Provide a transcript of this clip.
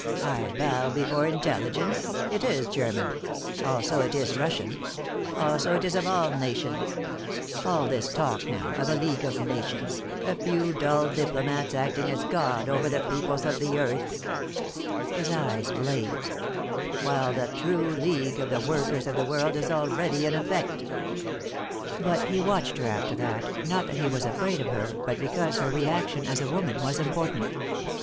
"I bow before intelligence. It is German. Also it is Russian. Also it is of all nations. All this talk now, of a League of Nations, a few dull diplomats acting as God over the peoples of the earth!" His eyes blazed. "While the true league, of the workers of the world, is already in effect!" But he watched her after that, not that he was afraid of her, but because her re action as a woman was important.